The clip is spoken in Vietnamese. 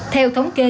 theo tống kê